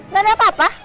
gak ada apa apa